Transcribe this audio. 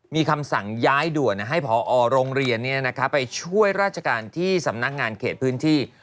มีคำสั่งย้ายด่วนให้พอโรงเรียนไปช่วยราชการที่สำนักงานเขตพื้นที่